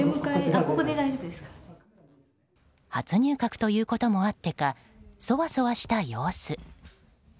初入閣ということもあってかそわそわした様子。